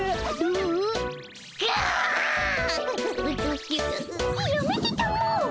うやめてたも。